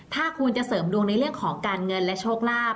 ถ้าคุณจะเสริมดวงในเรื่องของการเงินและโชคลาภ